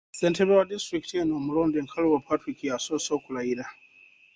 Ssentebe wa disitulikiti eno omulonde, Nkalubo Patrick, y'asoose okulayira.